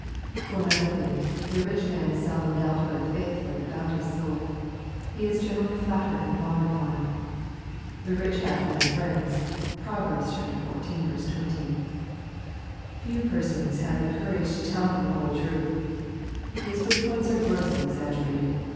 jFor another thing, the rich man is seldom dealt with 'faithfully about his soul. He is generally flattered and fawned upon. " The rich hath many friends." (Prov. xiv. 20.) Few persons have the courage to tell him the whole truth. His good points are grossly exaggerated.